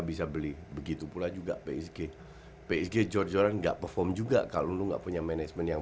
bisa beli begitu pula juga psg psg jor joran enggak perform juga kalau lu nggak punya manajemen yang